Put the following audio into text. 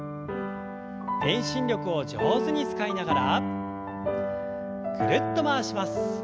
遠心力を上手に使いながらぐるっと回します。